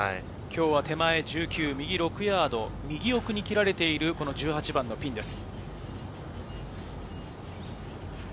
手前１９、右６ヤード、右奥に切られている１８番のピンです。